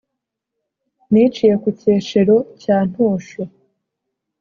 Niciye ku Cyeshero cya Ntosho,